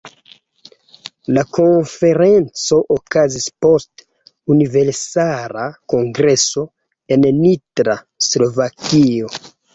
La Konferenco okazis post Universala Kongreso en Nitra, Slovakio.